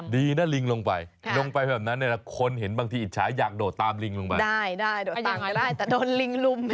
โดยการลิ้นลงไปลงไปนั่นแล้วคนเห็นบางทีมีช้าอยากโดดตามนึงลงไหวได้